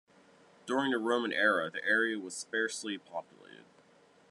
During the Roman era, the area was sparsely populated.